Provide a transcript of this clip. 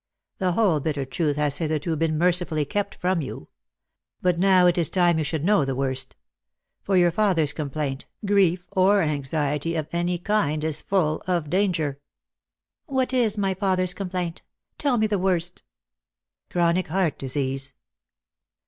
The whole bitter truth has hitherto been mercifully kept from you. But now it is time you should know the worst. For your father's complaint, grief or anxiety of any kind is full o f danger." " What is my father's complaint ? Tell me the worst." " Chronic heart disease."